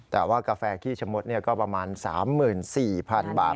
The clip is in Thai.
แต่ว่ากาแฟขี้ชะมดก็ประมาณ๓๔๐๐๐บาท